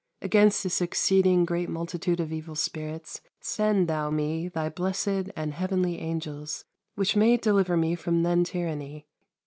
Against this exceeding great multitude of evil spirits send Thou me Thy blessed and heavenly angels, which may deliver me from then tyranny.